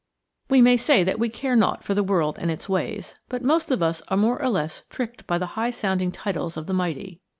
WE may say that we care naught for the world and its ways, but most of us are more or less tricked by the high sounding titles of the mighty.